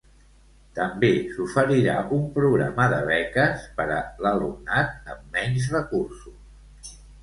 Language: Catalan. També s'oferirà un programa de beques per a l'alumnat amb menys recursos.